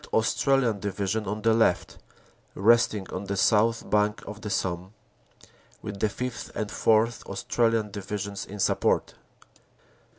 Australian Division on the left, resting on the south bank of the Somme, with the Sth. and 4th. Australian Divisions in support.